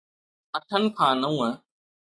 اٺن کان نو